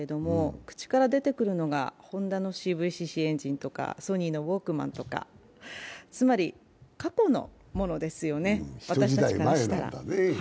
口から出てくるのがホンダのＣＶＣＣエンジンとかソニーのウォークマンとか、つまり過去のものですよね、私たちからしたら。